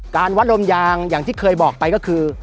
วัดลมยางอย่างที่เคยบอกไปก็คือ